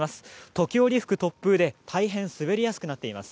時折吹く突風で大変滑りやすくなっています。